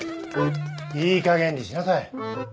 いいかげんにしなさい。